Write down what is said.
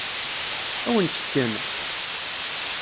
Ad wen-tt-fken?